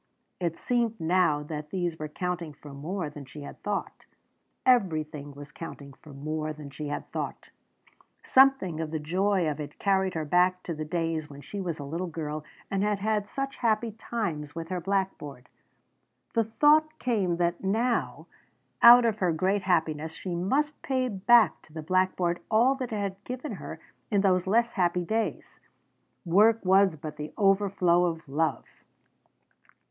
It seemed now that these were counting for more than she had thought. Everything was counting for more than she had thought! Something of the joy of it carried her back to the days when she was a little girl and had had such happy times with her blackboard. The thought came that now, out of her great happiness, she must pay back to the blackboard all that it had given her in those less happy days. Work was but the overflow of love!